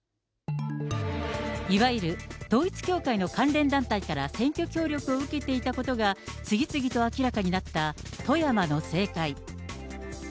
いわゆる統一教会の関連団体から選挙協力を受けていたことが次々と明らかになった富山の政界。